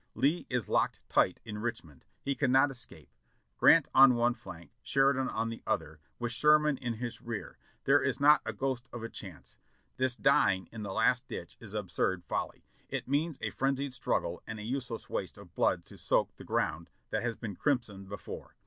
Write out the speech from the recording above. Lee is locked tight in Richmond, he cannot escape : Grant on one flank, Sheridan on the other, with Sherman in his rear, there is not a ghost of a chance. This dying in the last ditch is absurd folly; it means a frenzied struggle and a useless waste of blood to soak the ground that has been crimson before.